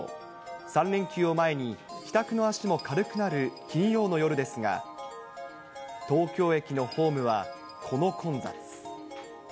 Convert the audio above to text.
３連休を前に、帰宅の足も軽くなる金曜の夜ですが、東京駅のホームはこの混雑。